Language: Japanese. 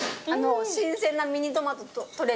新鮮なミニトマト採れて。